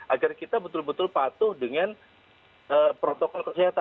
agar kita betul betul patuh dengan protokol kesehatan